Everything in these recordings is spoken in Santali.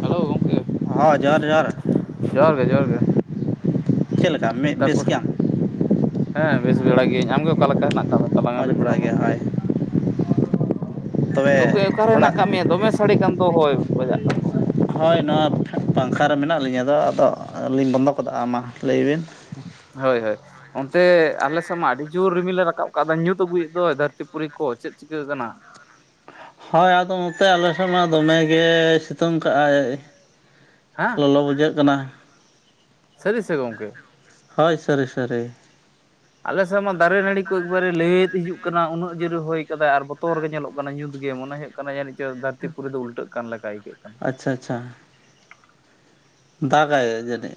ᱦᱮᱞᱳ ᱜᱚᱢᱠᱮ ᱦᱚᱭ ᱡᱚᱦᱟᱨ ᱡᱚᱦᱟᱨ ᱡᱚᱦᱟᱨ ᱜᱮ ᱪᱮᱫ ᱞᱮᱠᱟ ᱢᱮ ᱛᱟᱨᱯᱚᱨ ᱦᱮᱸ ᱵᱮᱥ ᱵᱟᱲᱟ ᱜᱤᱭᱟᱹᱧ ᱟᱢᱜᱮ ᱚᱠᱟ ᱞᱮᱠᱟ ᱦᱮᱱᱟᱜ ᱟᱠᱟᱫ ᱢᱮ ᱛᱟᱞᱟᱝᱟ ᱢᱚᱡᱽ ᱞᱟᱹᱭ ᱵᱟᱲᱟ ᱛᱟᱞᱟᱝ ᱢᱟ ᱜᱮ ᱦᱳᱭ ᱛᱚᱵᱮ ᱜᱚᱢᱠᱮ ᱚᱠᱟᱨᱮ ᱦᱮᱱᱟᱜ ᱚᱲᱟᱜ ᱟᱠᱟᱜ ᱢᱮᱭᱟ ᱫᱚᱢᱮ ᱥᱟᱰᱮ ᱠᱟᱱᱫᱚ ᱦᱚᱭ ᱵᱟᱡᱟᱜ ᱠᱟᱱ ᱫᱚ ᱦᱳᱭ ᱱᱚᱣᱟ ᱯᱟᱝᱠᱷᱟ ᱨᱮ ᱢᱮᱱᱟᱜ ᱞᱤᱧᱟᱹ ᱟᱫᱚ ᱟᱫᱚ ᱟᱹᱞᱤᱧ ᱵᱚᱱᱫᱚ ᱠᱟᱫᱟ ᱢᱟ ᱞᱟᱹᱭ ᱵᱤᱱ ᱦᱳᱭ ᱦᱳᱭ ᱚᱱᱛᱮ ᱟᱞᱮ ᱥᱮᱫ ᱢᱟ ᱟᱹᱰᱤ ᱡᱳᱨ ᱨᱤᱢᱤᱞ ᱞᱮ ᱨᱟᱠᱟᱵ ᱟᱠᱟᱜᱫᱟ ᱧᱩᱛ ᱟᱹᱜᱩᱭᱮᱫ ᱫᱚ ᱫᱷᱟᱹᱨᱛᱤᱯᱩᱨᱤ ᱠᱚ ᱪᱮᱫ ᱪᱤᱠᱟᱹᱜ ᱠᱟᱱᱟ ᱦᱳᱭ ᱟᱫᱚ ᱱᱚᱛᱮ ᱟᱞᱮᱥᱮᱫ ᱢᱟ ᱫᱚᱢᱮᱜᱮ ᱥᱤᱛᱩᱝ ᱠᱟᱜ-ᱟᱭ ᱦᱮᱸ ᱞᱚᱞᱚ ᱵᱩᱡᱷᱟᱹᱜ ᱠᱟᱱᱟ ᱥᱟᱹᱨᱤ ᱥᱮ ᱜᱚᱢᱠᱮ ᱦᱳᱭ ᱥᱟᱨᱤ ᱥᱟᱨᱤ ᱟᱞᱮᱥᱮᱫ ᱢᱟ ᱫᱟᱨᱮ ᱱᱟᱹᱲᱤ ᱠᱚ ᱮᱠᱵᱟᱨᱮ ᱞᱟᱹᱭᱮᱫ ᱦᱤᱡᱩᱜ ᱠᱟᱱᱟ ᱩᱱᱟᱹᱜ ᱡᱳᱨ-ᱮ ᱦᱚᱭ ᱟᱠᱟᱫᱟᱭ ᱟᱨ ᱵᱚᱛᱚᱨ ᱜᱮ ᱧᱮᱞᱚᱜ ᱠᱟᱱᱟ ᱢᱟᱱᱮ ᱧᱩᱛ ᱜᱮ ᱢᱚᱱᱮ ᱦᱩᱭᱩᱜ ᱠᱟᱱᱟ ᱡᱟᱱᱤᱡ ᱪᱚ ᱫᱷᱟᱹᱨᱛᱤᱯᱩᱨᱤ ᱫᱚ ᱩᱞᱴᱟᱹᱜ ᱠᱟᱱ ᱞᱮᱠᱟ ᱟᱹᱭᱠᱟᱹᱜ ᱠᱟᱱᱟ ᱾ ᱪᱷᱟ ᱪᱷᱟ ᱫᱟᱜᱟᱭ ᱡᱟᱱᱤᱡ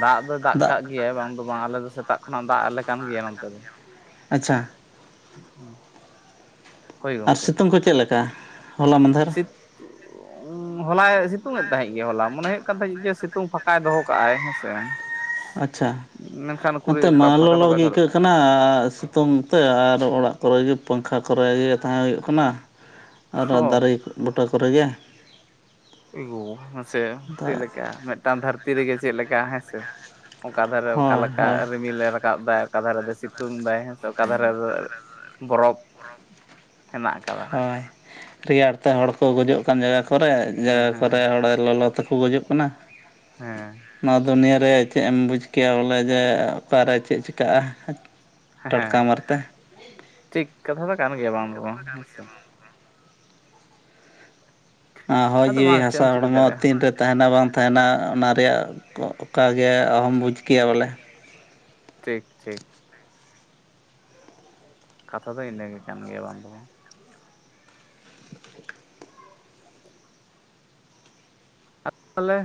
ᱫᱟᱜ ᱫᱚᱭ ᱫᱟᱜ ᱠᱟᱜ ᱜᱮᱭᱟᱭ ᱵᱟᱝ ᱫᱚ ᱵᱟᱝ ᱟᱞᱮ ᱫᱚ ᱥᱮᱛᱟᱜ ᱠᱷᱚᱱᱟᱜ ᱫᱟᱜ ᱟᱞᱮ ᱠᱟᱱ ᱜᱮᱭᱟ ᱱᱚᱛᱮ ᱫᱚ ᱟᱪᱪᱷᱟ ᱦᱳᱭ ᱟᱨ ᱜᱚᱢᱠᱮ ᱥᱤᱛᱩᱝ ᱠᱚ ᱪᱮᱫ ᱞᱮᱠᱟ ᱦᱚᱞᱟ ᱢᱟᱫᱷᱮᱨ ᱥᱤ ᱦᱚᱞᱟᱭ ᱥᱤᱛᱩᱝ ᱮᱫ ᱛᱟᱦᱮᱸᱫ ᱜᱮ ᱦᱚᱞᱟ ᱢᱚᱱᱮ ᱦᱩᱭᱩᱜ ᱠᱟᱱ ᱛᱟᱦᱮᱸᱫ ᱡᱮ ᱥᱤᱛᱩᱝ ᱯᱷᱟᱸᱠᱟᱭ ᱫᱚᱦᱚ ᱠᱟᱜ-ᱟᱭ ᱦᱮᱸᱥᱮ ᱟᱪᱪᱷᱟ ᱢᱮᱱᱠᱷᱟᱱ ᱱᱚᱛᱮ ᱩᱠᱩᱨᱤᱡ ᱢᱟ ᱚᱱᱠᱟ ᱯᱷᱟᱸᱠᱟ ᱫᱚ ᱞᱚᱞᱚ ᱵᱟᱭ ᱜᱮ ᱫᱚᱦᱚ ᱟᱹᱭᱠᱟᱹᱜ ᱞᱮᱫᱟ ᱠᱟᱱᱟ ᱥᱤᱛᱩᱝ ᱛᱮ ᱟᱨ ᱚᱲᱟᱜ ᱠᱚᱨᱮᱜᱮ ᱯᱟᱝᱠᱷᱟ ᱠᱚᱨᱮᱜᱮ ᱛᱟᱦᱮᱸ ᱦᱩᱭᱩᱜ ᱠᱟᱱᱟ ᱟᱨ ᱚ ᱫᱟᱨᱮ ᱵᱩᱴᱟᱹ ᱠᱚᱨᱮᱜᱮ ᱟᱹᱜᱩ ᱢᱟᱥᱮ ᱪᱮᱫᱞᱮᱠᱟ ᱢᱤᱫᱴᱟᱝ ᱫᱷᱟᱹᱨᱛᱤ ᱨᱮᱜᱮ ᱪᱮᱫᱞᱮᱠᱟ ᱦᱮᱸᱥᱮ ᱚᱠᱟᱫᱷᱟᱨᱮ ᱦᱳᱭ ᱚᱠᱟᱞᱮᱠᱟ ᱦᱳᱭ ᱨᱤᱢᱤᱞ ᱨᱟᱠᱟᱵ ᱫᱟᱭ ᱚᱠᱟ ᱫᱷᱟᱨᱮ ᱫᱚᱭ ᱥᱤᱛᱩᱝ ᱫᱟᱭ ᱦᱮᱸ ᱥᱮ ᱚᱠᱟ ᱫᱷᱟᱨᱮ ᱫᱚ ᱜᱚᱨᱚᱢ ᱦᱮᱱᱟᱜ ᱟᱠᱟᱫᱟ ᱦᱳᱭ ᱨᱮᱭᱟᱲ ᱛᱮ ᱦᱚᱲ ᱠᱚ ᱜᱚᱡᱩᱜ ᱠᱟᱱ ᱡᱟᱭᱜᱟ ᱠᱚᱨᱮ ᱦᱮᱸ ᱡᱟᱭᱜᱟ ᱦᱮᱸ ᱠᱚᱨᱮ ᱦᱚᱲ ᱞᱚᱞᱚ ᱛᱮᱠᱚ ᱜᱚᱡᱩᱜ ᱠᱟᱱᱟ ᱯᱚᱱᱟ ᱦᱮᱸ ᱱᱚᱣᱟ ᱫᱩᱱᱭᱟᱹᱨᱮ ᱪᱮᱫ ᱮᱢ ᱵᱩᱡᱽ ᱠᱮᱭᱟ ᱵᱚᱞᱮ ᱡᱮ ᱚᱠᱟᱨᱮ ᱪᱮᱫ ᱪᱤᱠᱟᱹᱜ-ᱟ ᱦᱮᱸ ᱴᱷᱤᱠ ᱠᱟᱛᱷᱟ ᱫᱚ ᱠᱟᱱ ᱜᱮᱭᱟ ᱵᱟᱝ ᱫᱚ ᱵᱟᱝ ᱦᱮᱸᱥᱮ ᱟᱨ ᱦᱚᱭ ᱟᱫᱚ ᱡᱤᱣᱤ ᱵᱟᱝ ᱪᱮᱫ ᱦᱟᱥᱟ ᱮᱢ ᱪᱤᱠᱟᱹ ᱦᱚᱲᱢᱚ ᱫᱟᱲᱮᱭᱟᱜᱼᱟ ᱛᱤᱱᱨᱮ ᱛᱟᱦᱮᱱᱟ ᱵᱟᱝ ᱛᱟᱦᱮᱱᱟ ᱚᱱᱟ ᱨᱮᱭᱟᱜ ᱚᱠ ᱜᱮ ᱟᱦᱚᱢ ᱵᱩᱡᱽ ᱠᱮᱭᱟ ᱵᱚᱞᱮ ᱴᱷᱤᱠ ᱴᱷᱤᱠ ᱠᱟᱛᱷᱟ ᱫᱚ ᱤᱱᱟᱹᱜ ᱜᱮ ᱠᱟᱱ ᱜᱮᱭᱟ ᱵᱟᱝ ᱫᱚ [inaudible] ᱛᱟᱦᱚᱞᱮ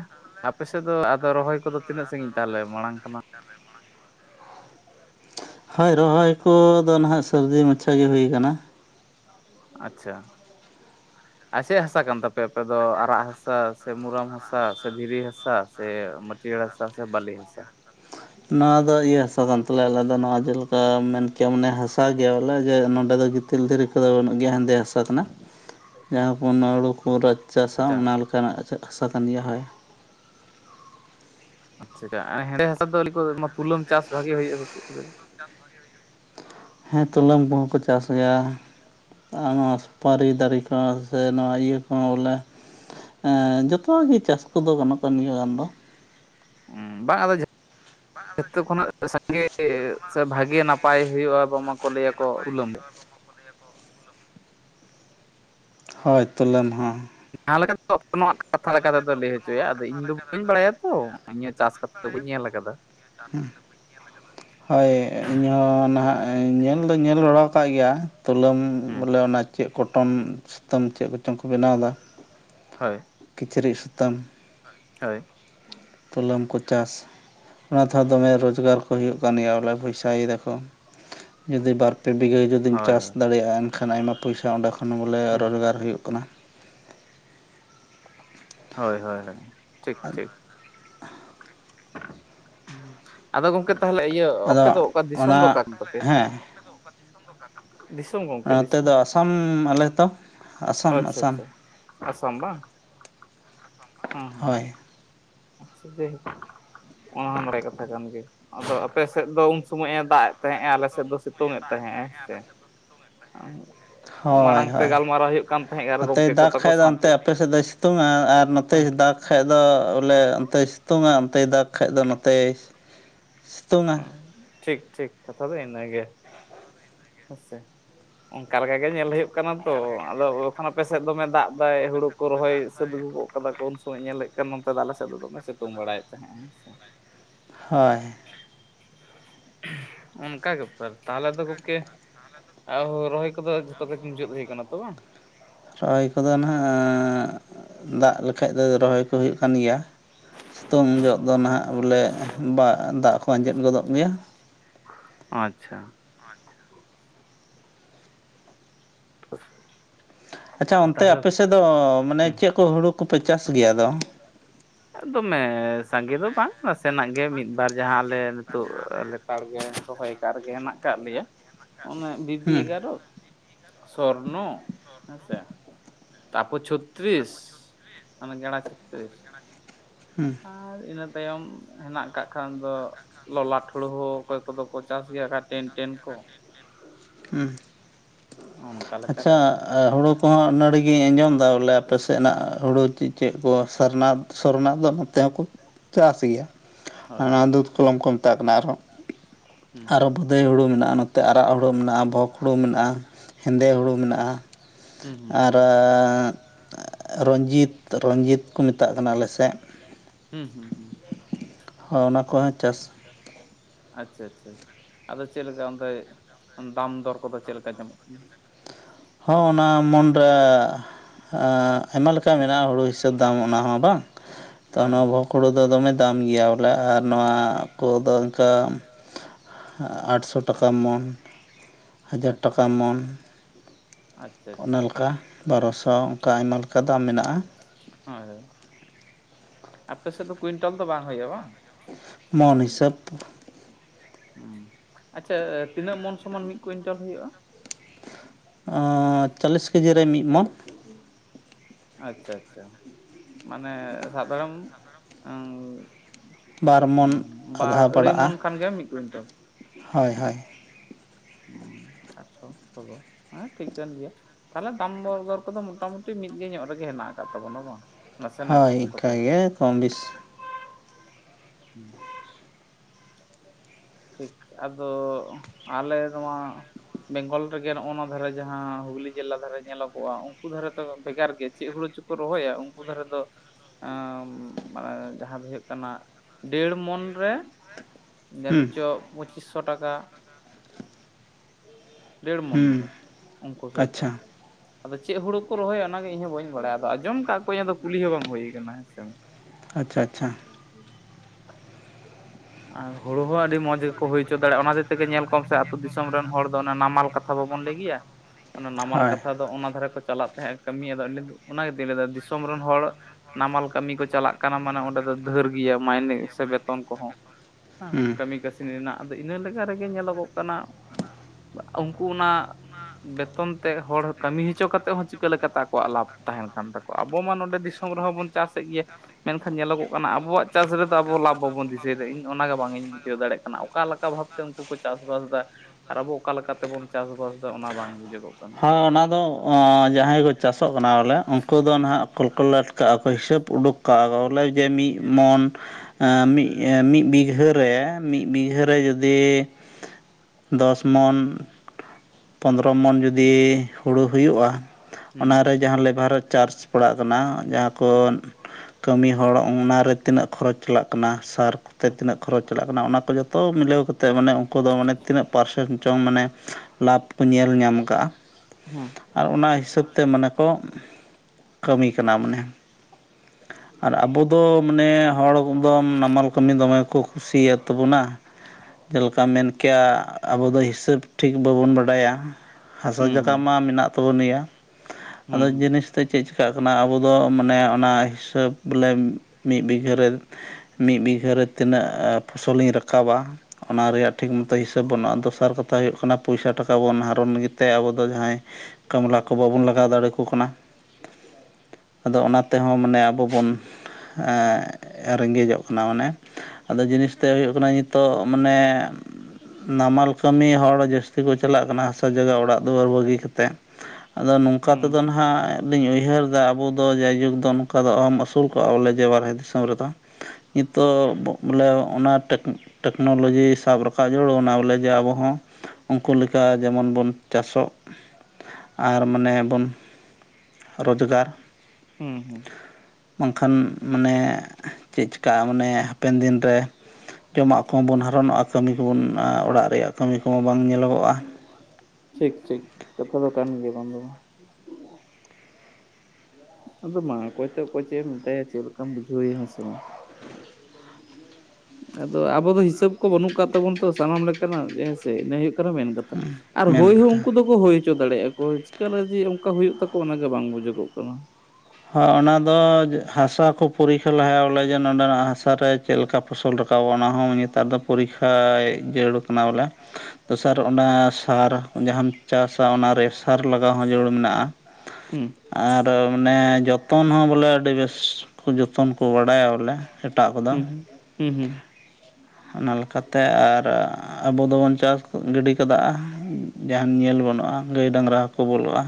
ᱟᱯᱮ ᱥᱮᱫ ᱫᱚ ᱟᱫᱚ ᱨᱚᱦᱚᱭ ᱠᱚᱫᱚ ᱛᱤᱱᱟᱹᱜ ᱥᱟᱺᱜᱤᱧ ᱛᱟᱦᱚᱞᱮ ᱢᱟᱲᱟᱝ ᱠᱟᱱᱟ ᱦᱳᱭ ᱨᱚᱦᱚᱭ ᱠᱚᱫᱚ ᱱᱟᱦᱟᱜ ᱥᱟᱹᱨᱫᱤ ᱢᱟᱪᱷᱟ ᱜᱮ ᱦᱩᱭ ᱠᱟᱱᱟ ᱟᱪᱪᱷᱟ ᱟᱨ ᱪᱮᱫ ᱦᱟᱥᱟ ᱠᱟᱱ ᱛᱟᱯᱮᱭᱟ ᱟᱯᱮ ᱫᱚ ᱟᱨᱟᱜ ᱦᱟᱥᱟ ᱥᱮ ᱢᱩᱨᱟᱹᱢ ᱦᱟᱥᱟ ᱥᱮ ᱫᱷᱤᱨᱤ ᱦᱟᱥᱟ ᱥᱮ ᱡᱮᱲᱮᱲ ᱦᱟᱥᱟ ᱥᱮ ᱵᱟᱞᱤ ᱦᱟᱥᱟ ᱱᱚᱣᱟ ᱫᱚ ᱤᱭᱟᱹ ᱦᱟᱥᱟ ᱠᱟᱱ ᱛᱟᱞᱮᱭᱟ ᱟᱞᱮ ᱫᱚ ᱱᱚᱣᱟ ᱡᱮᱞᱮᱠᱟ ᱢᱮᱱ ᱠᱮᱭᱟ ᱢᱟᱱᱮ ᱦᱟᱥᱟ ᱜᱮᱭᱟ ᱵᱚᱞᱮ ᱡᱮ ᱱᱚᱸᱰᱮ ᱫᱚ ᱦᱟᱹ ᱛᱤᱞ ᱫᱷᱤᱨᱤ ᱠᱚᱫᱚ ᱵᱟᱹᱱᱩᱜ ᱜᱮᱭᱟ ᱦᱮᱸᱫᱮ ᱦᱟᱥᱟ ᱠᱟᱱᱟ ᱡᱟᱦᱟᱸ ᱠᱚ ᱱᱟᱹᱲᱩ ᱠᱚ ᱨᱟᱡᱽ ᱪᱟᱥᱟ ᱟᱪᱪᱷᱟ ᱚᱱᱟ ᱞᱮᱠᱟ ᱚᱱᱟᱜ ᱮᱥᱮᱫ ᱦᱟᱥᱟ ᱠᱟᱱ ᱜᱮᱭᱟ ᱦᱳᱭ ᱟᱪᱪᱷᱟ ᱦᱮᱲᱮ ᱦᱟᱥᱟ ᱫᱚ ᱞᱮᱭ ᱟᱠᱚ ᱛᱩᱞᱟᱹᱢ ᱪᱟᱥ ᱵᱷᱟᱹᱜᱤ ᱦᱩᱭᱩᱜᱼᱟ ᱥᱮ ᱪᱮᱫ ᱠᱚ ᱞᱟᱹᱭᱫᱟ? ᱛᱩᱞᱟᱹᱢ ᱪᱟᱥ ᱵᱷᱟᱹᱜᱤ ᱦᱩᱭᱩᱜᱼᱟ ᱥᱮ ᱪᱮᱫ ᱦᱮᱸ ᱛᱩᱞᱟᱹᱢ ᱠᱚᱦᱚᱸ ᱠᱚ ᱪᱟᱥ ᱜᱮᱭᱟ ᱾ ᱟᱨ ᱱᱚᱣᱟ ᱥᱩᱯᱟᱹᱨᱤ ᱫᱟᱨᱮ ᱠᱚ ᱥᱮ ᱱᱚᱣᱟ ᱤᱭᱟᱹ ᱠᱚ ᱵᱚᱞᱮ ᱡᱚᱛᱚᱣᱟᱜ ᱜᱮ ᱪᱟᱥ ᱠᱚᱫᱚ ᱜᱟᱱᱚᱜ ᱱᱤᱭᱟᱹ ᱜᱟᱱ ᱫᱚ ᱾ ᱵᱟᱝ ᱟᱫᱚ ᱡᱚᱛᱚ ᱠᱷᱚᱱᱟᱜ ᱥᱟᱸᱜᱮ ᱥᱮ ᱵᱷᱟᱜᱮ ᱱᱟᱯᱟᱭ ᱦᱩᱭᱩᱜᱼᱟ ᱵᱟᱝᱢᱟᱠᱚ ᱞᱟᱹᱭᱟᱠᱚ ᱛᱩᱞᱟᱹᱢ ᱜᱮ ᱾ ᱦᱳᱭ ᱛᱩᱞᱟᱹᱢ ᱦᱚ ᱾ ᱡᱟᱦᱟᱸ ᱞᱮᱠᱟᱛᱮ ᱠᱟᱛᱷᱟ ᱞᱮᱠᱟ ᱞᱮᱠᱟᱛᱮ ᱫᱚᱭ ᱞᱟᱹᱭ ᱦᱚᱪᱚᱭᱟ ᱾ ᱟᱫᱚ ᱤᱧ ᱫᱚ ᱵᱟᱹᱧ ᱵᱟᱲᱟᱭᱟ ᱛᱚ ᱤᱧ ᱦᱚᱸ ᱪᱟᱥ ᱠᱟᱛᱮ ᱫᱚ ᱵᱟᱹᱧ ᱧᱮᱞ ᱠᱟᱫᱟ [unintelligible] ᱦᱳᱭ ᱤᱧᱦᱚᱸ ᱱᱟᱦᱟᱜ ᱧᱮᱞ ᱫᱚᱧ ᱧᱮᱞ ᱵᱟᱲᱟ ᱟᱠᱟᱜ ᱜᱮᱭᱟ ᱛᱩᱞᱟᱹᱢ ᱦᱩᱸ ᱵᱚᱞᱮ ᱚᱱᱟ ᱪᱮᱫ ᱠᱚᱴᱚᱱ ᱥᱩᱛᱟᱹᱢ ᱪᱮᱫ ᱠᱚᱪᱚᱝ ᱠᱚ ᱵᱮᱱᱟᱣᱫᱟ ᱦᱳᱭ ᱠᱤᱪᱨᱤᱡ ᱥᱩᱛᱟᱹᱢ ᱦᱳᱭ ᱛᱩᱞᱟᱹᱢ ᱠᱚ ᱪᱟᱥ ᱚᱱᱟ ᱛᱮᱦᱚᱸ ᱫᱚᱢᱮ ᱨᱳᱡᱽᱜᱟᱨ ᱠᱚ ᱦᱩᱭᱩᱜ ᱠᱟᱱ ᱜᱮᱭᱟ ᱵᱚᱞᱮ ᱯᱚᱭᱥᱟᱭ ᱫᱟᱠᱚ ᱡᱩᱫᱤ ᱵᱟᱨ ᱯᱮ ᱵᱤᱜᱷᱟᱹ ᱡᱩᱫᱤᱢ ᱦᱳᱭ ᱦᱳᱭ ᱪᱟᱥ ᱫᱟᱲᱮᱭᱟᱜᱼᱟ ᱮᱱᱠᱷᱟᱱ ᱟᱭᱢᱟ ᱯᱚᱭᱥᱟ ᱚᱸᱰᱮ ᱠᱷᱚᱱ ᱵᱚᱞᱮ ᱦᱩᱸ ᱨᱚᱡᱽᱜᱟᱨ ᱦᱩᱭᱩᱜ ᱠᱟᱱᱟ ᱦᱳᱭ ᱦᱳᱭ ᱦᱳ ᱴᱷᱤᱠ ᱴᱷᱤᱠ ᱟᱫᱚ ᱜᱚᱝᱠᱮ ᱛᱟᱦᱚᱞᱮ ᱤᱭᱟᱹ ᱟᱫᱚ ᱟᱯᱮ ᱫᱚ ᱚᱠᱟ ᱫᱤᱥᱚᱢ ᱚᱱᱟ ᱫᱚ ᱚᱠᱟ ᱨᱮ ᱛᱟᱯᱮᱭᱟ ᱦᱮᱸ ᱫᱤᱥᱚᱢ ᱦᱚᱸ ᱱᱚᱛᱮ ᱫᱚ ᱟᱥᱟᱢ ᱟᱞᱮ ᱫᱚ ᱟᱥᱟᱢ ᱟᱪᱪᱷᱟ ᱟᱥᱟᱢ ᱟᱪᱪᱷᱟ ᱟᱥᱟᱢ ᱵᱟᱝ ᱦᱩᱸ ᱦᱳᱭ ᱟᱪᱪᱷᱟ ᱚᱱᱟ ᱦᱚᱸ ᱵᱟᱲᱟᱭ ᱠᱟᱛᱷᱟ ᱠᱟᱱ ᱜᱮ ᱟᱫᱚ ᱟᱯᱮ ᱥᱮᱫ ᱫᱚ ᱩᱱ ᱥᱚᱢᱚᱭᱮ ᱫᱟᱜ ᱮᱫ ᱛᱟᱦᱮᱸᱼᱟ ᱟᱞᱮ ᱥᱮᱫ ᱫᱚ ᱥᱮ ᱥᱤᱩᱛᱳᱝ ᱮᱫ ᱛᱟᱦᱮᱸᱜ ᱟᱭ ᱦᱮᱸ ᱥᱮ᱾ ᱦᱳᱭ ᱢᱟᱲᱟᱝ ᱛᱮ ᱦᱳᱭ ᱜᱟᱞᱢᱟᱨᱟᱣ ᱦᱩᱭᱩᱜ ᱠᱟᱱ ᱛᱟᱦᱮᱸᱜ ᱟᱨ ᱜᱚᱝᱠᱮ ᱠᱚ ᱛᱟᱠᱚ ᱥᱟᱶᱛᱮ ᱟᱯᱮᱥᱮᱫ ᱫᱚᱭ ᱥᱤᱛᱩᱝᱼᱟ ᱟᱨ ᱱᱚᱛᱮ ᱦᱮᱸ ᱫᱟᱜᱽ ᱠᱷᱟᱡ ᱫᱚ ᱵᱚᱞᱮ ᱚᱱᱛᱮ ᱥᱤᱛᱩᱝᱼᱟ ᱚᱱᱛᱮᱭ ᱫᱟᱜᱽ ᱠᱷᱟᱡ ᱫᱚ ᱱᱚᱛᱮ ᱥᱤᱛᱩᱜᱼᱟ᱾ ᱦᱮᱸ᱾ ᱴᱷᱤᱠ ᱴᱷᱤᱠ ᱠᱟᱛᱷᱟ ᱫᱚ ᱤᱱᱟᱹᱜᱮ᱾ ᱦᱮᱸ ᱥᱮ ᱚᱱᱠᱟ ᱞᱮᱠᱟ ᱜᱮ ᱧᱮᱞ ᱦᱩᱭᱩᱜ ᱠᱟᱱᱟ ᱛᱚ, ᱟᱫᱚ ᱡᱚᱠᱷᱚᱱ ᱟᱯᱮᱥᱮᱫ ᱫᱚᱢᱮ ᱫᱟᱜ ᱫᱟᱭ ᱦᱩᱲᱩᱼᱼ ᱠᱚ ᱨᱚᱦᱚᱭ ᱥᱟ. ᱫ ᱟᱹᱜᱩ ᱜᱚᱫ ᱠᱟᱫᱟ ᱠᱚ ᱩᱱ ᱥᱚᱢᱚᱭ ᱧᱮᱞᱮᱫ ᱠᱟᱱᱟ ᱱᱚᱱᱛᱮ ᱫᱚ ᱟᱞᱮ ᱥᱮᱫ ᱫᱚ ᱫᱚᱢᱮ ᱥᱤᱛᱳᱝ ᱵᱟᱲᱟᱭᱮᱫ ᱛᱟᱦᱮᱸᱱ ᱟᱭ᱾ ᱟᱪᱪᱷᱟ᱾ ᱦᱳᱭ᱾ ᱚᱱᱠᱟ ᱵᱮᱯᱟᱨ ᱛᱟᱦᱞᱮ ᱫᱚᱼᱼ ᱠᱮ, ᱨᱚᱦᱚᱭ ᱠᱚᱫᱚ ᱡᱷᱚᱛᱚ ᱜᱮ ᱢᱩᱪᱟ. ᱛ ᱦᱩᱭ ᱠᱟᱱᱟ ᱛᱚ ᱵᱟᱝ? ᱨᱚᱦᱚᱭ ᱠᱚᱫᱚ ᱱᱟᱦᱟᱜ ᱫᱟᱜ ᱞᱮᱠᱷᱟᱡ ᱫᱚ ᱨᱚᱦᱚᱭ ᱠᱚ ᱦᱩᱭᱩᱜ ᱠᱟᱱ ᱜᱮᱭᱟ᱾ ᱥᱤᱛᱩᱝ ᱡᱚᱦᱚᱜ ᱫᱚ ᱱᱟᱜ ᱵᱚᱞᱮ ᱫᱟᱜ ᱠᱚ ᱟᱸᱡᱮᱫ ᱜᱚᱫᱚᱜ ᱜᱮᱭᱟ᱾ ᱟᱪᱪᱷᱟ᱾ [inaudible] ᱟᱪᱪᱷᱟ, ᱚᱱᱛᱮ ᱛᱟᱦᱚᱞᱮ ᱟᱯᱮᱥᱮᱫ ᱫᱚ ᱢᱟᱱᱮ ᱦᱩᱸ ᱪᱮᱫ ᱠᱚ ᱦᱩᱲᱩ ᱠᱚᱯᱮ ᱪᱟᱥ ᱜᱮᱭᱟ‌? ᱟᱫᱚ ᱫᱚᱢᱮ ᱥᱟᱸᱜᱮ ᱫᱚ ᱵᱟᱝ ᱱᱟᱥᱮᱱᱟᱜ ᱜᱮ ᱢᱤᱫ-ᱵᱟᱨ ᱡᱟᱦᱟᱸᱞᱮ ᱱᱤᱛᱚᱜ ᱞᱮᱛᱟᱲ ᱜᱮ ᱨᱚᱦᱚᱭ ᱠᱟᱜ ᱨᱮᱜᱮ ᱦᱮᱱᱟᱜ ᱟᱠᱟᱫ ᱞᱮᱭᱟ ᱚᱱᱮ ᱵᱤᱫᱤ ᱦᱮᱸ ᱮᱜᱟᱨᱚ᱾ ᱥᱚᱨᱱᱚ ᱦᱮᱸᱥᱮ, ᱛᱟᱨᱯᱚᱨ ᱪᱷᱚᱛᱨᱤᱥ ᱟᱱᱮ ᱜᱮᱲᱟ ᱪᱷᱚᱛᱨᱤᱥ᱾ ᱦᱩᱸ᱾ ᱟᱨ ᱤᱱᱟᱹ ᱛᱟᱭᱚᱢ ᱦᱮᱱᱟᱜ ᱠᱟᱜ ᱠᱷᱟᱱ ᱫᱚ ᱞᱚᱞᱟᱴ ᱦᱳᱲᱩ ᱦᱚᱸ ᱚᱠᱚᱭ ᱠᱚᱫᱚ ᱠᱚ ᱪᱟᱥ ᱜᱮᱭᱟ᱾ ᱴᱮᱱ ᱴᱮᱱ ᱠᱚ ᱦᱩᱸ᱾ ᱚᱱᱠᱟ ᱞᱮᱠᱟᱨᱮ ᱟᱨᱠᱤ ᱟᱪᱪᱷᱟ, ᱦᱩᱲᱩ ᱠᱚᱦᱚᱸ ᱟ. ᱱᱟᱹᱲᱤᱜᱤᱧ ᱟᱸᱡᱚᱢ ᱮᱫᱟ ᱵᱚᱞᱮ ᱟᱯᱮ ᱥᱮᱱᱟᱜ ᱦᱩᱲᱩ᱾ ᱪᱮᱫ ᱠᱚ ᱥᱚᱨᱱᱚ ᱥᱚᱨᱱᱚ ᱫᱚ ᱱᱚᱛᱮ ᱦᱚᱸᱠᱚ ᱪᱟᱥ ᱜᱮᱭᱟ᱾ ᱦᱳᱭ ᱚᱱᱟ ᱫᱩᱫᱷ ᱠᱚᱞᱚᱢ ᱠᱚ ᱢᱮᱛᱟᱜ ᱠᱟᱱᱟ ᱟᱨᱦᱚᱸ ᱦᱩᱸ ᱟᱨᱚ ᱵᱟ. ᱫᱷᱟᱹᱭ ᱦᱩᱲᱩ ᱢᱮᱱᱟᱜᱼᱟ᱾ ᱛᱮ ᱟᱨᱟᱜ ᱦᱩᱲᱳ ᱢᱮᱱᱟᱜᱼᱟ, ᱵᱚᱜᱽ ᱦᱩᱲᱳ ᱢᱮᱱᱟᱜᱼᱟ, ᱦᱮᱸᱫᱮ ᱦᱩᱲᱩ ᱢᱮᱱᱟᱜᱼᱟ, ᱦᱩᱸ ᱦᱩᱸ ᱟᱨᱼᱼ [unintelligible] ᱨᱚᱧᱡᱤᱛ ᱨᱚᱧᱡᱤᱛ ᱠᱚ ᱢᱮᱛᱟᱜ ᱠᱟᱱᱟ ᱟᱞᱮ ᱥᱮᱫ ᱦᱩᱸ ᱦᱩᱸ ᱦᱩᱸ ᱦᱚᱸ ᱚᱱᱟ ᱠᱚᱦᱚᱸ ᱪᱟᱥ [inaudible] ᱟᱪᱪᱷᱟ ᱟᱪᱪᱷᱟ ᱾ ᱟᱫᱚ ᱪᱮᱫ ᱞᱮᱠᱟ ᱚᱱᱛᱮ ᱫᱟᱢ ᱫᱚᱨ ᱠᱚᱫᱚ ᱪᱮᱫ ᱞᱮᱠᱟ ᱧᱟᱢᱚᱜ ᱠᱟᱱᱟ? ᱦᱚᱸ ᱚᱱᱟ ᱢᱚᱱ ᱨᱮ ᱟᱭᱢᱟ ᱞᱮᱠᱟ ᱢᱮᱱᱟᱜᱼᱟ ᱦᱩᱲᱩ ᱦᱤᱥᱟᱹᱵᱽ ᱫᱟᱢ ᱚᱱᱟ ᱾ ᱵᱟᱝ ᱛᱚ ᱦᱳᱭ ᱱᱚᱣᱟ ᱵᱷᱚᱠ ᱦᱩᱲᱩ ᱫᱚ ᱫᱚᱢᱮ ᱫᱟᱢ ᱜᱮᱭᱟ ᱵᱚᱞᱮ ᱟᱨ ᱱᱚᱣᱟ ᱠᱚᱫᱚ ᱚᱱᱠᱟ ᱟᱴᱥᱚ ᱴᱟᱠᱟ ᱢᱚᱱ, ᱦᱟᱡᱟᱨ ᱟᱪᱪᱷᱟ ᱴᱟᱠᱟ ᱢᱚᱱ ᱟᱪᱪᱷᱟ ᱚᱱᱟ ᱟᱪᱪᱷᱟ ᱞᱮᱠᱟ ᱵᱟᱨᱚᱥᱚ ᱚᱱᱠᱟ ᱟᱭᱢᱟ ᱞᱮᱠᱟ ᱫᱟᱢ ᱢᱮᱱᱟᱜᱼᱟ ᱾ ᱦᱳᱭ ᱦᱳᱭ ᱾ ᱟᱯᱮ ᱥᱮᱫ ᱫᱚ ᱠᱩᱭᱤᱱᱴᱟᱞ ᱫᱚ ᱵᱟᱝ ᱦᱩᱭᱩᱜᱼᱟ ᱵᱟᱝ? ᱢᱚᱱ ᱦᱤᱥᱟᱹᱵᱽ [unintelligible] ᱦᱩᱸ ᱟᱪᱪᱷᱟ ᱛᱤᱱᱟᱹᱜ ᱢᱚᱱ ᱥᱚᱢᱟᱱ ᱢᱤᱫ ᱠᱩᱭᱤᱱᱴᱚᱞ ᱦᱩᱭᱩᱜᱼᱟ? [inaudible] ᱪᱚᱞᱞᱤᱥ ᱠᱮᱡᱤ ᱨᱮ ᱢᱤᱫ ᱢᱚᱱ᱾ ᱟᱪᱪᱷᱟ ᱟᱪᱪᱷᱟ ᱢᱟᱱᱮ ᱥᱟᱵ ᱫᱟᱲᱮᱭᱟᱭ ᱟᱢ ᱵᱟᱨ ᱢᱚᱱ ᱵᱟᱨ ᱟᱫᱷᱟ ᱟᱹᱲᱟᱹᱭ ᱯᱟᱲᱟᱜᱼᱟ ᱢᱚᱱ ᱠᱷᱟᱱ ᱜᱮ ᱢᱤᱫ ᱠᱩᱭᱤᱱᱴᱟᱞ ᱦᱳᱭ ᱦᱳᱭ ᱟᱴᱥᱚ ᱥᱳᱞᱳ ᱦᱮᱸ ᱴᱷᱤᱠᱹᱟᱱ ᱜᱮᱭᱟ ᱾ ᱛᱟᱦᱚᱞᱮ ᱫᱟᱢ ᱵᱚᱨᱜᱚᱨ ᱠᱚᱫᱚ ᱢᱚᱴᱟ ᱢᱩᱴᱤ ᱢᱤᱫ ᱜᱮ ᱧᱚᱜ ᱨᱮᱜᱮ ᱦᱮᱱᱟᱜ ᱟᱠᱟᱫ ᱛᱟᱵᱚᱱᱟ ᱵᱟᱝ? ᱱᱟᱥᱮᱱᱟᱜ ᱦᱳᱭ ᱮᱛᱚᱢ ᱤᱱᱠᱟᱹ ᱠᱚᱛᱮ ᱜᱮ ᱠᱚᱢ ᱵᱤᱥᱼ [inaudible] ᱴᱷᱤᱠ ᱟᱫᱚ ᱟᱞᱮ ᱫᱚᱢᱟ ᱵᱮᱝᱜᱚᱞ ᱨᱮᱜᱮ ᱱᱚᱜᱼᱚ ᱱᱚᱭᱟ ᱫᱷᱟᱨᱮ ᱡᱟᱦᱟᱸ ᱦᱩᱜᱞᱤ ᱡᱮᱞᱟ ᱫᱷᱟᱨᱮ ᱧᱮᱞᱚᱜᱚᱜᱼᱟ ᱩᱱᱠᱩ ᱫᱷᱟᱨᱮ ᱫᱚ ᱵᱷᱮᱜᱟᱨ ᱜᱮ ᱪᱮᱫ ᱦᱩᱲᱩ ᱪᱚᱠᱚᱼ ᱠᱚ ᱨᱚᱦᱚᱭᱟ, ᱩᱱᱠᱩ ᱫᱷᱟᱨᱮ ᱫᱚ ᱢᱟᱱᱮ ᱡᱟᱦᱟᱸ ᱫᱚ ᱦᱩᱭᱩᱜ ᱠᱟᱱᱟ ᱰᱮᱲ ᱢᱚᱱ ᱨᱮ ᱡᱟᱹᱱᱤᱡ ᱦᱩᱸ ᱪᱚ ᱯᱚᱸᱪᱤᱥ ᱥᱚ ᱴᱟᱠᱟ ᱰᱮᱲ ᱢᱚᱱ ᱨᱮ ᱦᱩᱸ ᱩᱱᱠᱩ ᱥᱮᱫ ᱫᱚ ᱟᱪᱪᱷᱟ, ᱟᱫᱚ ᱪᱮᱫ ᱦᱩᱲᱩ ᱠᱚ ᱨᱚᱦᱚᱭᱟ ᱚᱱᱟ ᱜᱮ ᱤᱧ ᱦᱚᱸ ᱵᱟᱹᱧ ᱵᱟᱲᱟᱭᱟ᱾ ᱟᱫᱚ ᱟᱸᱡᱚᱢ ᱠᱟᱜ ᱠᱚᱣᱟᱧ ᱟᱫᱚ ᱠᱩᱞᱤ ᱦᱚᱸ ᱵᱟᱝ ᱦᱩᱭ ᱟᱠᱟᱱᱟ ᱦᱮᱸᱥᱮ ᱾ ᱟᱪᱪᱷᱟ ᱟᱪᱪᱷᱟ [inaudible] ᱟᱨ ᱦᱩᱲᱩ ᱦᱚᱸ ᱟᱹᱰᱤ ᱢᱚᱡᱽ ᱜᱮᱠᱚ ᱦᱩᱭ ᱦᱚᱪᱚ ᱫᱟᱲᱮᱭᱟᱜᱼᱟ ᱾ ᱚᱱᱟ ᱦᱚᱛᱮ ᱛᱮᱜᱮ ᱧᱮᱞ ᱠᱚᱢ ᱥᱮ ᱟᱹᱛᱩ ᱫᱤᱥᱚᱢ ᱨᱮᱱ ᱦᱚᱲ ᱱᱟᱢᱟᱞ ᱠᱟᱛᱷᱟ ᱵᱟᱵᱚᱱ ᱞᱟᱹᱭ ᱜᱮᱭᱟ ᱚᱱᱟ ᱱᱟᱢᱟᱞ ᱦᱳᱭ, ᱠᱟᱛᱷᱟ ᱫᱚ ᱚᱱᱟ ᱫᱷᱟᱨᱮ ᱠᱚ ᱪᱟᱞᱟᱜ ᱛᱟᱦᱮᱸᱜ ᱠᱟᱹᱢᱤᱭᱟ ᱚᱱᱟ ᱜᱮᱛᱚᱧ ᱞᱟᱹᱭ ᱫᱟ ᱫᱤᱥᱚᱢ ᱨᱮᱱ ᱦᱚᱲ ᱱᱟᱢᱟᱞ ᱠᱟᱹᱢᱤ ᱠᱚ ᱪᱟᱞᱟᱜ ᱠᱟᱱᱟ ᱢᱟᱱᱮ ᱚᱸᱰᱮ ᱫᱚ ᱰᱷᱟᱹᱨ ᱜᱮᱭᱟ ᱢᱟᱭᱱᱮ ᱥᱮ ᱵᱮᱛᱚᱱ ᱠᱚᱦᱚᱸ ᱦᱮᱸ ᱦᱩᱸ᱾ ᱠᱟᱹᱢᱤ ᱠᱟᱹᱥᱱᱤ ᱨᱮᱱᱟᱜ ᱟᱫᱚ ᱤᱱᱟᱹ ᱞᱮᱠᱟ ᱨᱮᱜᱮ ᱧᱮᱞᱚ ᱜᱚᱜ ᱠᱟᱱᱟ ᱩᱱᱠᱩ ᱚᱱᱟ ᱵᱮᱛᱚᱱ ᱛᱮ ᱦᱚᱲ ᱠᱟᱹᱢᱤ ᱦᱚᱪᱚ ᱠᱟᱛᱮᱜ ᱦᱚᱸ ᱪᱤᱠᱟᱹ ᱞᱮᱠᱟ ᱛᱮ ᱟᱠᱚᱣᱟᱜ ᱞᱟᱵᱷ ᱛᱟᱦᱮᱱ ᱠᱟᱱ ᱛᱟᱠᱚᱣᱟ? ᱟᱵᱚ ᱢᱟ ᱱᱚᱰᱮ ᱫᱤᱥᱚᱢ ᱨᱮᱦᱚᱸ ᱵᱚᱱ ᱪᱟᱥᱮᱫ ᱜᱮᱭᱟ ᱢᱮᱱ ᱠᱷᱟᱱ ᱧᱮᱞᱚᱜᱚᱜ ᱠᱟᱱᱟ ᱟᱵᱚᱣᱟᱜ ᱪᱟᱥ ᱨᱮᱫᱚ ᱟᱵᱚ ᱞᱟᱵᱷ ᱵᱟᱵᱚᱱ ᱫᱤᱥᱟᱹᱭ ᱫᱟ ᱾ ᱤᱧ ᱚᱱᱟ ᱜᱮ ᱵᱟᱝ ᱤᱧ ᱵᱩᱡᱼ ᱵᱩᱡᱷᱟᱹᱣ ᱫᱟᱲᱮᱭ ᱠᱟᱱᱟ ᱾ ᱚᱠᱟ ᱞᱮᱠᱟ ᱵᱷᱟᱵ ᱛᱮ ᱩᱱᱠᱩ ᱠᱚ ᱪᱟᱥ ᱵᱟᱥ ᱫᱟ ᱟᱨ ᱟᱵᱚ ᱚᱠᱟ ᱞᱮᱠᱟ ᱛᱮᱵᱚᱱ ᱪᱟᱥ ᱵᱟᱥ ᱦᱚᱸ ᱚᱱᱟ ᱫᱚ ᱡᱟᱦᱟᱸᱭ ᱠᱚ ᱪᱟᱥᱚᱜ ᱠᱟᱱᱟ ᱵᱚᱞᱮ ᱩᱱᱠᱩ ᱫᱚ ᱱᱟᱦᱟᱜ ᱠᱚᱞ ᱠᱚᱞᱟᱴ ᱠᱟᱜᱼᱟ ᱠᱚ, ᱦᱤᱥᱟᱹᱵᱽ ᱩᱰᱩᱠ ᱠᱟᱜᱼᱟ ᱵᱚᱞᱮ ᱡᱮ ᱢᱤᱫ ᱢᱚᱱ ᱮᱸᱜ ᱢᱤᱫ ᱢᱤᱫ ᱵᱤᱜᱷᱟᱹ ᱨᱮ ᱼ ᱢᱤᱫ ᱵᱤᱜᱷᱟᱹ ᱨᱮ ᱡᱩᱫᱤ ᱫᱚᱥ ᱢᱚᱱ ᱯᱚᱱᱫᱽᱨᱚ ᱢᱚᱱ ᱡᱩᱫᱤ ᱦᱩᱲᱩ ᱦᱩᱭᱩᱜᱼᱟ ᱦᱩᱸ ᱚᱱᱟ ᱨᱮ ᱡᱟᱦᱟᱸ ᱞᱮᱵᱷᱟᱨ ᱪᱟᱨᱡᱽ ᱯᱟᱲᱟᱜ ᱠᱟᱱᱟ ᱡᱟᱦᱟᱸ ᱠᱚ ᱠᱟᱹᱢᱤ ᱦᱚᱲ ᱚᱱᱟ ᱨᱮ ᱛᱤᱱᱟᱹᱜ ᱠᱷᱚᱨᱚᱪ ᱪᱟᱞᱟᱜ ᱠᱟᱱᱟ ᱥᱟᱨ ᱠᱚᱛᱮ ᱛᱤᱱᱟᱹᱜ ᱠᱷᱚᱨᱚᱪ ᱪᱟᱞᱟᱜ ᱠᱟᱱᱟ ᱚᱱᱟ ᱠᱚ ᱡᱚᱛᱚ ᱡᱚᱛᱚ ᱢᱤᱞᱟᱹᱣ ᱠᱟᱛᱮ ᱢᱟᱱᱮ ᱩᱱᱠᱩ ᱫᱚ ᱢᱟᱱᱮ ᱛᱤᱱᱟᱹᱜ ᱯᱟᱨᱥᱮᱱ ᱪᱚᱝ ᱢᱟᱱᱮ ᱞᱟᱵᱷ ᱧᱮᱞ ᱧᱟᱢ ᱟᱠᱟᱜᱼᱟ ᱦᱩᱸ ᱟᱨ ᱚᱱᱟ ᱦᱤᱥᱟᱹᱵ ᱛᱮ ᱢᱟᱱᱮ ᱠᱚ ᱠᱟᱹᱢᱤ ᱠᱟᱱᱟ ᱢᱟᱱᱮ [inaudible] ᱟᱨ ᱟᱵᱚ ᱫᱚ ᱢᱟᱱᱮ ᱦᱚᱲ ᱠᱚᱫᱚᱢ ᱱᱟᱢᱟᱞ ᱠᱟᱹᱢᱤ ᱫᱚᱢᱮ ᱠᱚ ᱠᱩᱥᱤᱭᱟᱜ ᱛᱟᱵᱚᱱᱟ᱾ ᱡᱮᱞᱮᱠᱟᱢ ᱢᱮᱱ ᱠᱮᱜ-ᱟ ᱟᱵᱚ ᱫᱚ ᱦᱤᱥᱟᱹᱵᱽ ᱴᱷᱤᱠ ᱵᱚᱱ ᱵᱟᱰᱟᱭᱟ ᱦᱟᱥᱟ ᱦᱩᱸ ᱦᱩᱸ ᱡᱟᱜᱟᱢᱟ ᱢᱮᱱᱟᱜ ᱛᱟᱵᱚᱱ ᱜᱮᱭᱟ᱾ ᱟᱫᱚ ᱦᱩᱸ ᱡᱤᱱᱤᱥ ᱫᱚ ᱪᱮᱫ ᱪᱮᱠᱟᱜ ᱠᱟᱱᱟ? ᱟᱵᱚ ᱫᱚ ᱢᱟᱱᱮ ᱚᱱᱟ ᱦᱤᱥᱟᱹᱵ ᱵᱚᱞᱮ ᱢᱤᱫ ᱵᱤᱜᱷᱟᱹᱨᱮ ᱢᱤᱫ ᱵᱤᱜᱷᱟᱹᱨᱮ ᱛᱤᱱᱟᱹᱜ ᱯᱷᱚᱥᱚᱞ ᱤᱧ ᱨᱟᱠᱟᱵᱟ ᱚᱱᱟ ᱨᱮᱭᱟᱜ ᱴᱷᱤᱠ ᱢᱚᱛᱚ ᱦᱤᱥᱟᱹᱵᱽ ᱵᱟᱹᱱᱩᱜᱼᱟ᱾ ᱫᱚᱥᱟᱨ ᱠᱟᱛᱷᱟ ᱦᱩᱭᱩᱜ ᱠᱟᱱᱟ ᱯᱚᱭᱥᱟ ᱴᱟᱠᱟ ᱵᱚᱱ ᱦᱟᱨᱚᱱ ᱜᱮᱛᱮ ᱟᱵᱚ ᱫᱚ ᱡᱟᱦᱟᱸᱭ ᱠᱟᱢᱞᱟ ᱠᱚ ᱵᱟᱵᱚᱱ ᱞᱟᱜᱟᱣ ᱫᱟᱲᱮ ᱠᱚ ᱠᱟᱱᱟ᱾ ᱟᱫᱚ ᱚᱱᱟ ᱛᱮᱦᱚᱸ ᱢᱟᱱᱮ ᱟᱵᱚ ᱵᱚᱱ ᱦᱮᱸ ᱨᱮᱸᱜᱮᱡᱚᱜ ᱠᱟᱱᱟ ᱢᱟᱱᱮ ᱟᱫᱚ ᱡᱤᱱᱤᱥ ᱛᱮᱜ ᱦᱩᱭᱩᱜ ᱠᱟᱱᱟ ᱱᱤᱛᱳᱜ ᱢᱟᱱᱮ ᱱᱟᱢᱟᱞ ᱠᱟᱹᱢᱤ ᱦᱚᱲ ᱡᱟᱹᱥᱛᱤ ᱠᱚ ᱪᱟᱞᱟᱜ ᱠᱟᱱᱟ ᱦᱟᱥᱟ ᱡᱟᱭᱜᱟ ᱚᱲᱟᱜ ᱫᱩᱣᱟᱹᱨ ᱵᱟᱹᱜᱤ ᱠᱟᱛᱮᱫ ᱟᱫᱚ ᱱᱚᱝᱠᱟ ᱛᱮᱫᱚ ᱦᱩᱸ ᱦᱟᱸᱜ ᱞᱤᱧ ᱩᱭᱦᱟᱹᱨᱫᱟ, ᱟᱵᱚ ᱫᱚ ᱡᱟᱭᱡᱩᱜᱽ ᱫᱚ ᱱᱚᱝ ᱚᱠᱟ ᱫᱚ ᱟᱢ ᱟᱹᱥᱩᱞ ᱠᱚᱜᱼᱟ ᱵᱚᱞᱮ ᱡᱮ ᱵᱟᱨᱦᱮ ᱫᱤᱥᱚᱢ ᱨᱮᱫᱚ ᱱᱤᱛᱚᱜ ᱵᱚᱞᱮ ᱚᱱᱟ ᱴᱮᱠ ᱴᱮᱠᱱᱳᱞᱚᱡᱤ ᱥᱟᱵ ᱨᱟᱠᱟᱵ ᱡᱟᱹᱨᱩᱲ ᱚᱱᱟ ᱵᱚᱞᱮ ᱡᱮ ᱟᱵᱚ ᱦᱚᱸ ᱩᱱᱠᱩ ᱞᱮᱠᱟ ᱡᱮᱢᱚᱱ ᱵᱚᱱ ᱪᱟᱥᱚᱜ ᱟᱨ ᱢᱟᱱᱮ ᱵᱚᱱ ᱨᱳᱡᱽᱜᱟᱨ ᱦᱩᱸ ᱵᱟᱝᱠᱷᱟᱱ ᱢᱟᱱᱮ ᱪᱮᱫ ᱪᱤᱠᱟᱹᱜᱼᱟ ᱢᱟᱱᱮ ᱦᱟᱯᱮᱱ ᱫᱤᱱ ᱨᱮ ᱡᱚᱢᱟᱜ ᱠᱚᱦᱚᱸ ᱵᱚᱱ ᱦᱟᱨᱚᱱᱚᱜᱼᱟ᱾ ᱠᱟᱹᱢᱤ ᱠᱚᱵᱚᱱ ᱚᱲᱟᱜ ᱨᱮᱭᱟᱜ ᱠᱟᱹᱢᱤ ᱠᱚᱦᱚᱸ ᱵᱟᱝ ᱧᱮᱞᱚᱜᱚᱜᱼᱟ᱾ ᱴᱷᱤᱠ ᱴᱷᱤᱠ ᱠᱟᱛᱷᱟ ᱫᱚ ᱠᱟᱱ ᱜᱮᱭᱟ ᱵᱟᱝ ᱫᱚ ᱵᱟᱝ ᱟᱫᱚ ᱢᱟ ᱚᱠᱚᱭ ᱛᱮ ᱚᱠᱚᱭ ᱪᱮᱫ ᱮᱢ ᱢᱮᱛᱟᱭᱟ ᱪᱮᱫ ᱞᱮᱠᱟᱢ ᱵᱩᱡᱷᱟᱹᱣᱮᱭᱟ ᱦᱮᱸ ᱥᱮ ᱵᱟᱝ? [unintelligible] ᱟᱫᱚ ᱟᱵᱚ ᱫᱚ ᱦᱤᱥᱟᱹᱵ ᱠᱚ ᱵᱟᱹᱱᱩᱜ ᱠᱟᱜ ᱛᱟᱵᱚᱱᱟ ᱛᱚ ᱥᱟᱱᱟᱢ ᱞᱮᱠᱟᱱᱟᱜ ᱦᱮ ᱥᱮ ᱤᱱᱟᱹ ᱦᱩᱭᱩᱜ ᱠᱟᱱᱟ ᱢᱮᱱ ᱠᱟᱛ ᱟᱨ ᱦᱳᱭ ᱢᱮᱱ ᱦᱚᱸ ᱠᱟᱛᱷᱟ ᱩᱱᱠᱩ ᱫᱚᱠᱚ ᱦᱳᱭ ᱦᱚᱪᱚ ᱫᱟᱲᱮᱭᱟᱜᱼᱟ ᱠᱚ ᱪᱤᱠᱟᱹ ᱞᱮᱠᱟ ᱡᱮ ᱚᱱᱠᱟ ᱦᱩᱭᱩᱜ ᱛᱟᱠᱚᱣᱟ ᱚᱱᱟᱜᱮ ᱵᱟᱝ ᱵᱩᱡᱩᱜᱚᱜ ᱚ ᱦᱚᱸ ᱚᱱᱟ ᱫᱚ ᱦᱟᱥᱟ ᱠᱚ ᱯᱚᱨᱤᱠᱷᱟ ᱞᱟᱦᱟᱭᱟ ᱵᱚᱞᱮ ᱡᱮ ᱱᱚᱸᱰᱮᱱᱟᱜ ᱦᱟᱥᱟ ᱚᱠᱟᱨᱮ ᱪᱮᱫ ᱞᱮᱠᱟ ᱯᱷᱚᱥᱚᱞ ᱨᱟᱠᱟᱵᱚᱜ-ᱟ? ᱚᱱᱟ ᱦᱚᱸ ᱱᱮᱛᱟᱨ ᱫᱚ ᱯᱚᱨᱤᱠᱠᱷᱟ ᱡᱟᱹᱨᱩᱲ ᱠᱟᱱᱟ ᱵᱚᱞᱮ᱾ ᱫᱚᱥᱟᱨ ᱚᱱᱟ ᱥᱟᱨ ᱡᱟᱦᱟᱸᱢ ᱪᱟᱥᱟ ᱚᱱᱟᱨᱮ ᱥᱟᱨ ᱞᱟᱜᱟᱣ ᱦᱚᱸ ᱡᱟᱹᱨᱩᱲ ᱢᱮᱱᱟᱜᱼᱟ᱾ ᱦᱩᱸ ᱟᱨ ᱢᱟᱱᱮ ᱡᱚᱛᱚᱱ ᱦᱚᱸ ᱵᱚᱞᱮ ᱟᱹᱰᱤ ᱵᱮᱥ ᱠᱚ ᱡᱚᱛᱚᱱ ᱠᱚ ᱵᱟᱲᱟᱭᱟ ᱵᱚᱞᱮ ᱴᱟᱜ ᱠᱚᱫᱟ ᱦᱩᱸ ᱦᱩᱸ ᱦᱩᱸ ᱚᱱᱟ ᱞᱮᱠᱟᱛᱮ ᱟᱨ ᱟᱵᱚ ᱫᱚᱵᱚᱱ ᱪᱟᱥ ᱜᱤᱰᱤ ᱠᱟᱫᱟ᱾ ᱡᱟᱦᱟᱸᱱ ᱧᱮᱞ ᱵᱟᱹᱱᱩᱜᱼᱟ ᱜᱟᱹᱭᱼ ᱰᱟᱝᱨᱟ ᱦᱚᱸᱠᱚ ᱵᱚᱞᱚᱜᱼᱟ,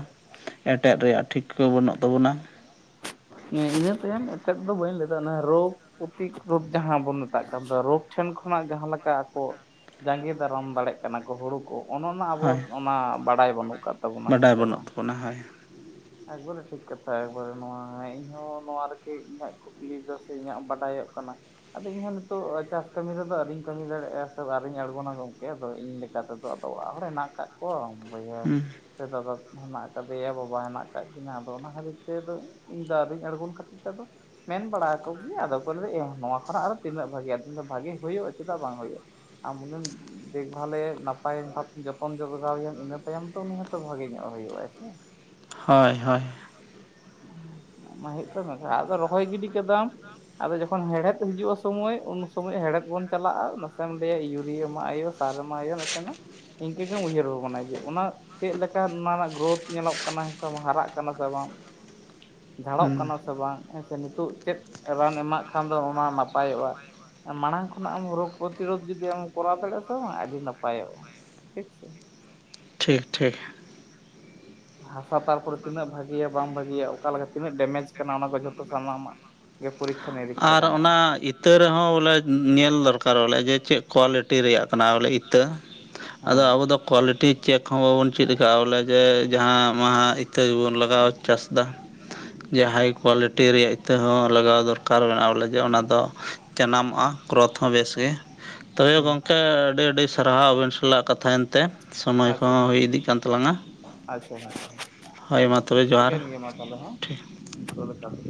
ᱮᱴᱮᱫ ᱨᱮᱭᱟᱜ ᱴᱷᱤᱠᱟᱹ ᱵᱟᱹᱱᱩᱜ ᱛᱟᱵᱚᱱᱟ᱾ ᱦᱮᱸ ᱤᱱᱟᱹ ᱛᱟᱭᱚᱢ ᱮᱴᱟᱜ ᱫᱚ ᱵᱟᱹᱧ ᱞᱟᱹᱭᱫᱟ ᱚᱱᱟ ᱨᱳᱜᱽ ᱚᱯᱷᱤᱠ ᱨᱳᱜ ᱡᱟᱦᱟᱸ ᱵᱚᱱ ᱢᱮᱛᱟᱜ ᱠᱟᱱ ᱫᱚ ᱨᱳᱜᱽ ᱴᱷᱮᱱ ᱠᱷᱚᱱᱟᱜ ᱡᱟᱦᱟᱸ ᱞᱮᱠᱟ ᱟᱠᱚ ᱡᱟᱸᱜᱮ ᱫᱟᱨᱟᱢ ᱫᱟᱲᱮᱜ ᱠᱟᱱᱟ ᱠᱚ ᱦᱩᱲᱩ ᱠᱚ ᱚᱱ ᱚᱱᱟ ᱟᱵᱚ ᱦᱳᱭ ᱚᱱᱟ ᱵᱟᱲᱟᱭ ᱵᱟᱹᱱᱩᱜ ᱠᱟᱫ ᱵᱟᱰᱟᱭ ᱵᱟᱹᱱᱩᱜ ᱛᱟᱵᱚᱱᱟ ᱦᱳᱭ ᱮᱠᱵᱟᱨᱮ ᱴᱷᱤᱠ ᱠᱟᱛᱷᱟ ᱮᱠᱵᱟᱨᱮ ᱱᱚᱣᱟ ᱤᱧ ᱦᱚ ᱱᱚᱣᱟ ᱨᱮᱜᱮ ᱤᱧᱟᱹᱜ ᱠᱩᱠᱞᱤ ᱫᱚ ᱥᱮ ᱤᱧᱟᱹᱜ ᱵᱟᱰᱟᱭᱚᱜ ᱠᱟᱱᱟ᱾ ᱟᱫᱚ ᱤᱧᱦᱚᱸ ᱱᱤᱛᱚᱜ ᱪᱟᱥ ᱠᱟᱹᱢᱤ ᱨᱮᱫᱚ ᱟᱨᱤᱧ ᱠᱟᱹᱢᱤ ᱫᱟᱲᱮᱜᱼᱟ ᱥᱮ ᱟᱨᱤᱧ ᱟᱬᱜᱚᱱᱟ ᱜᱚᱝᱠᱮ᱾ ᱟᱫᱚ ᱤᱧ ᱞᱮᱠ ᱠᱟ ᱛᱮᱫᱚ ᱚᱲᱟᱜ ᱦᱚᱲ ᱦᱮᱱᱟᱜ ᱠᱟᱠ ᱦᱩᱸ ᱥᱮ ᱫᱟᱫᱟ ᱦᱮᱸᱱᱟᱜ ᱟᱠᱟᱫᱮᱭᱟ ᱵᱟᱵᱟ ᱦᱮᱸᱱᱟᱜ ᱠᱟᱫ ᱠᱤᱱᱟᱹ ᱟᱫᱚ ᱚᱱᱟ ᱠᱷᱟᱹᱛᱤᱨ ᱛᱮᱫᱚ ᱤᱧ ᱫᱚ ᱟᱣᱨᱤᱧ ᱟᱬᱜᱚᱱ ᱠᱷᱟᱹᱛᱤᱨ ᱛᱮᱫᱚ ᱢᱮᱱ ᱵᱟᱲᱟ ᱟᱠᱚᱜᱮᱭᱟᱧ ᱟᱫᱚ ᱠᱚ ᱞᱟᱹᱭᱟ ᱱᱚᱣᱟ ᱠᱷᱚᱱᱟᱜ ᱟᱨ ᱛᱤᱱᱟᱹᱜ ᱵᱷᱟᱜᱮ ᱟᱨᱠᱤ ᱵᱷᱟᱜᱤ ᱦᱩᱭᱩᱜᱼᱟ? ᱪᱮᱫᱟᱜ ᱵᱟᱝ ᱦᱩᱭᱩᱜᱼᱟ? ᱟᱢ ᱦᱩᱱᱟᱹᱝ ᱫᱮᱠ ᱵᱷᱟᱞᱮ ᱱᱟᱯᱟᱭ ᱵᱷᱟᱵ ᱡᱚᱛᱚᱱ ᱡᱚᱜᱟᱣ ᱮᱭᱟᱢ ᱤᱱᱟᱹ ᱛᱟᱭᱚᱢ ᱛᱚ ᱩᱱᱤ ᱦᱚᱸᱛᱚ ᱵᱷᱟᱜᱮ ᱧᱚᱜ ᱮ ᱦᱩᱭᱩᱜ ᱟᱭ ᱥᱮ ᱦᱳᱭ ᱦᱳᱭ ᱚᱱᱟ ᱦᱩᱭᱩᱜ [inaudible] ᱟᱫᱚ ᱨᱚᱦᱚᱭ ᱜᱤᱰᱤ ᱠᱟᱫᱟᱢ ᱟᱫᱚ ᱡᱚᱠᱷᱚᱱ ᱦᱮᱦᱮᱫ ᱦᱤᱡᱩᱜᱼᱟ ᱥᱚᱢᱚᱭ ᱩᱱ ᱥᱚᱢᱚᱭ ᱦᱮᱲᱦᱮᱫ ᱵᱚᱱ ᱪᱟᱞᱟᱜᱼᱟ ᱱᱟᱥᱮᱢ ᱞᱮᱭᱟᱜ ᱤᱭᱩᱨᱤᱭᱟ ᱮᱢᱟᱜ ᱦᱩᱭᱩᱜ-ᱟ ᱥᱮ ᱥᱟᱨ ᱢᱟ ᱟᱭ [unintelligible] ᱤᱱᱠᱟᱹᱜ ᱜᱮᱢ ᱩᱭᱦᱟᱹᱨ ᱵᱷᱟᱱᱟ ᱡᱮ ᱚᱱᱟ ᱪᱮᱫ ᱞᱮᱠᱟ ᱚᱱᱟ ᱨᱮᱱᱟᱜ ᱜᱨᱳᱛᱷ ᱧᱮᱞᱚᱜ ᱠᱟᱱᱟ ᱦᱟᱨᱟᱜ ᱠᱟᱱᱟ ᱥᱮ ᱵᱟᱝ ᱡᱷᱟᱲᱚᱜ ᱦᱮᱸ ᱠᱟᱱᱟ ᱥᱮ ᱵᱟᱝ ᱦᱮᱸ ᱥᱮ ᱱᱤᱛᱚᱜ ᱪᱮᱫ ᱨᱟᱱ ᱮᱢᱟᱜ ᱠᱷᱟᱱ ᱫᱚ ᱚᱱᱟ ᱱᱟᱯᱟᱭᱚᱜᱼᱟ ᱢᱟᱲᱟᱝ ᱠᱷᱚᱱᱟᱜ ᱮᱢ ᱨᱳᱜᱽ ᱯᱨᱚᱛᱤᱨᱳᱜ ᱡᱩᱫᱤᱢ ᱠᱚᱨᱟᱣ ᱫᱟᱲᱮᱭᱟᱜᱼᱟ ᱥᱮ ᱵᱟᱝ ᱟᱹᱰᱤ ᱱᱟᱯᱟᱭᱚᱜᱼᱟ ᱴᱷᱤᱠ ᱥᱮ ᱴᱷᱤᱠ ᱴᱷᱤᱠ ᱦᱟᱥᱟ ᱛᱟᱨᱯᱚᱨᱮ ᱛᱤᱱᱟᱹᱜ ᱵᱷᱟᱜᱤᱭᱟ ᱵᱟᱝ ᱵᱷᱟᱹᱜᱤᱭᱟ ᱚᱠᱟ ᱞᱮᱠᱟ ᱛᱤᱱᱟᱹᱜ ᱰᱮᱢᱮᱡᱽ ᱠᱟᱱᱟ ᱚᱱᱟ ᱠᱚ ᱡᱷᱚᱛᱚ ᱥᱟᱱᱟᱢᱟᱜ ᱜᱮ ᱯᱚᱨᱤᱠᱠᱷᱟ ᱱᱤᱨᱤᱠᱠᱷᱟ ᱜᱟᱱᱚᱜᱼᱟ᱾ ᱛᱟᱶ ᱨᱮᱦᱚᱸ ᱵᱚᱞᱮ ᱧᱮᱞ ᱫᱚᱨᱠᱟᱨ ᱵᱚᱞᱮ ᱡᱮ ᱪᱮᱫ ᱠᱚᱣᱟᱞᱤᱴᱤ ᱨᱮᱭᱟᱜ ᱠᱟᱱᱟ ᱵᱚᱞᱮ ᱤᱛᱟᱹ ᱟᱫᱚ ᱦᱮᱸ ᱟᱵᱚ ᱫᱚ ᱠᱳᱣᱟᱞᱤᱴᱤ ᱪᱮᱠ ᱦᱚᱸ ᱵᱟᱵᱚᱱ ᱪᱮᱫ ᱠᱟᱜᱼᱟ ᱵᱚᱞᱮ ᱡᱮ ᱡᱟᱦᱟᱸ ᱢᱟᱦᱟ ᱤ ᱤᱛᱟᱹᱵᱚᱱ ᱞᱟᱜᱟᱣ ᱪᱟᱥ ᱮᱫᱟ ᱡᱟᱦᱟᱭ ᱠᱣᱟᱞᱤᱴᱤ ᱨᱮᱭᱟᱜ ᱤᱛᱟᱹ ᱦᱚᱸ ᱞᱟᱜᱟᱣ ᱫᱚ ᱚᱠᱟᱨ ᱵᱮᱱᱟᱣᱚᱞᱮ ᱡᱮ ᱚᱱᱟ ᱫᱚ ᱡᱟᱱᱟᱢᱚᱜᱼᱟ ᱜᱨᱛᱷ ᱦᱚᱸ ᱵᱮᱥ ᱜᱮ ᱛᱚᱵᱮ ᱦᱩᱸ ᱜᱚᱝᱠᱮ ᱟᱹᱰᱤ ᱟᱹᱰᱤ ᱥᱟᱨᱦᱟᱣ ᱟᱹᱵᱤᱱ ᱥᱟᱞᱟᱜ ᱠᱟᱛᱷᱟ ᱮᱱᱛᱮ ᱥᱚᱢᱚᱭ ᱠᱦᱚᱸ ᱟᱪᱪᱷᱟ ᱦᱩᱭ ᱤᱫᱤᱜ ᱠᱟᱱ ᱛᱟᱞᱟᱝᱟ ᱟᱪᱪᱷᱟ ᱦᱳᱭ ᱢᱟ ᱛᱚᱵᱮ ᱡᱚᱦᱟᱨ ᱴᱷᱤᱠ ᱡᱚ ᱞᱮᱠᱟ ᱛᱮᱜᱮ